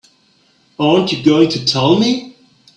Aren't you going to tell me?